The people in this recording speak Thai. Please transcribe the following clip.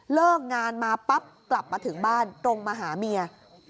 เลิกงานมาปั๊บกลับมาถึงบ้านตรงมาหาเมีย